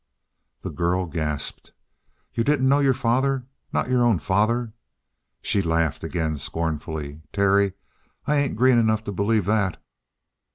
The girl gasped. "You didn't know your father not your own father?" She laughed again scornfully. "Terry, I ain't green enough to believe that!"